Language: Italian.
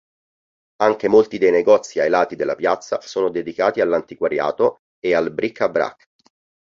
Anche molti dei negozi ai lati della piazza sono dedicati all'antiquariato e al "bric-à-brac".